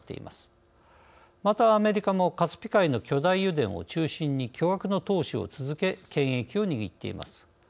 またアメリカもカスピ海の巨大油田を中心に巨額の投資を続け権益を握っています。